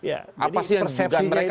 apa sih yang dugaan mereka